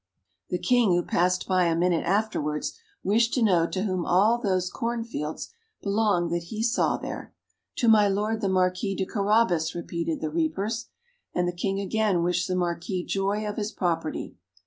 The King, who passed by a minute afterwards, wished to know to whom all those cornfields belonged that he saw there. "To my Lord the Marquis de Carabas," repeated the reapers, and the King again wished the Marquis joy of his property.